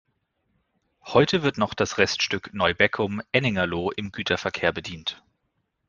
Heute wird nur noch das Reststück Neubeckum–Ennigerloh im Güterverkehr bedient.